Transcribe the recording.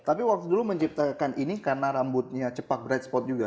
tapi waktu dulu menciptakan ini karena rambutnya cepat bright spot juga